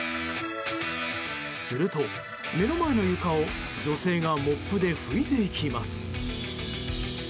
すると目の前の床を女性がモップで拭いていきます。